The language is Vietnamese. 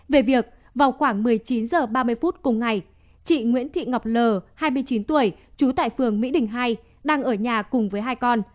về việc vào khoảng một mươi chín h ba mươi phút cùng ngày chị nguyễn thị ngọc l hai mươi chín tuổi trú tại phường mỹ đình hai đang ở nhà cùng với hai con